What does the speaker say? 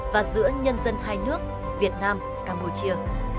và giữa nhân dân hai nước việt nam campuchia